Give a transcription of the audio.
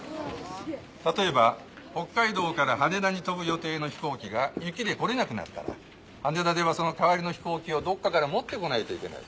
例えば北海道から羽田に飛ぶ予定の飛行機が雪で来れなくなったら羽田ではその代わりの飛行機をどっかから持ってこないといけない。